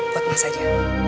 buat mas aja